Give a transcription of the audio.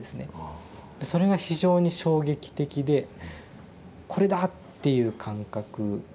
でそれが非常に衝撃的で「これだ！」っていう感覚。